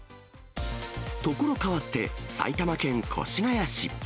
所変わって、埼玉県越谷市。